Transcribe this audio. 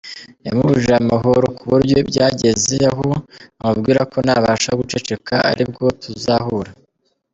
Yamubujije amahoro ku buryo byageze aho amubwira ko nabasha guceceka, ari bwo tuzahura”.